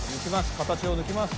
形を抜きます。